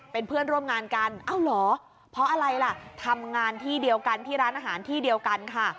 เป็นเพื่อนร่วมงานกันเอ้าเหรอเพราะอะไรล่ะทำงานที่เดียวกันที่ร้านอาหารที่เดียวกันค่ะ